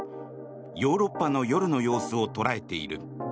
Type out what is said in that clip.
ヨーロッパの夜の様子を捉えている。